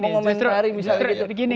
mengomentari misalnya gitu